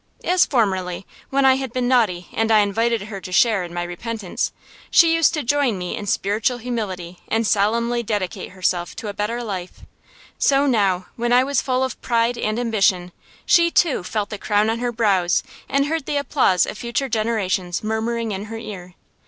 As formerly, when I had been naughty and I invited her to share in my repentance, she used to join me in spiritual humility and solemnly dedicate herself to a better life; so now, when I was full of pride and ambition, she, too, felt the crown on her brows, and heard the applause of future generations murmuring in her ear.